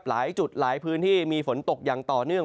หลายจุดหลายพื้นที่มีฝนตกอย่างต่อเนื่อง